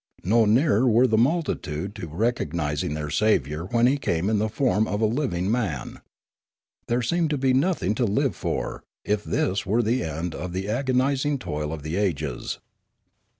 No nearer were the multitude to recog nising their Saviour when He came in the form of living man. There seemed to be nothing to live for, if this were the end of the agonising toil of the ages.